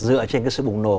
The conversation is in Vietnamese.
dựa trên cái sự bùng nổ